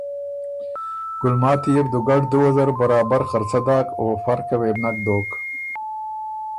ګلماتی يې بو دُوګډ دُوه زر برابر خرڅۀ داک، او فرقه وې بو نک دوک